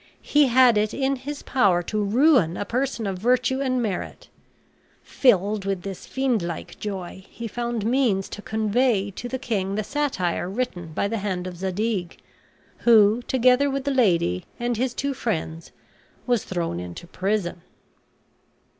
He had it in his power to ruin a person of virtue and merit. Filled with this fiendlike joy, he found means to convey to the king the satire written by the hand of Zadig, who, together with the lady and his two friends, was thrown into prison.